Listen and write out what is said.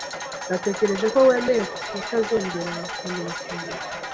Natekereje ko wemeye kutazongera kunterefona.